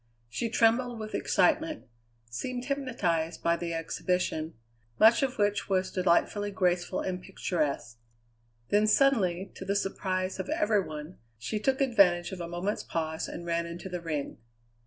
She trembled with excitement; seemed hypnotized by the exhibition, much of which was delightfully graceful and picturesque. Then, suddenly, to the surprise of every one, she took advantage of a moment's pause and ran into the ring.